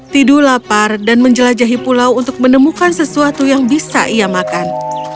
tidu lapar dan menjelajahi pulau untuk menemukan sesuatu yang bisa ia makan